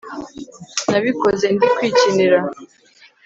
nabikoze ndi kwikinira